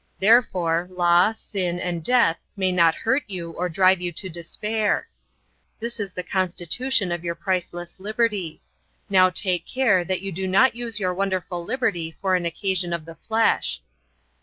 Therefore law, sin, and death may not hurt you or drive you to despair. This is the constitution of your priceless liberty. Now take care that you do not use your wonderful liberty for an occasion of the flesh."